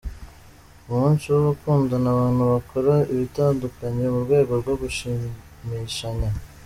Ku munsi w’abakundana, abantu bakora ibitandukanye mu rwego rwo gushimishanya.